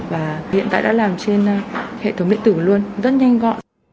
và hiện tại đã làm trên hệ thống điện tử luôn rất nhanh gọn